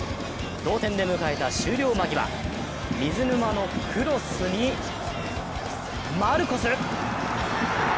同点で迎えた終了間際、水沼のクロスに、マルコス！